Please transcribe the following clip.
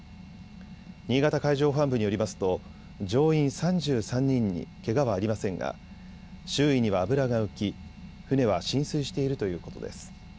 新潟海上保安部によりますと乗員３３人にけがはありませんが周囲には油が浮き、船は浸水しているということです。